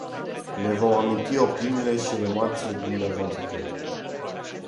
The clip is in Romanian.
Ne vom aminti opiniile și remarcile dvs.